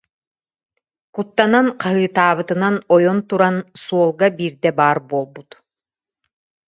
Куттанан хаһыытаабытынан ойон туран, суолга биирдэ баар буолбут